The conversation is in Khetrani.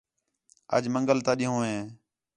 اَڄ منگل تا ݙینہوں ہے